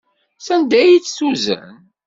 Sanda ay tt-tuzen?